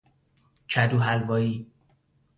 کدوحلوایی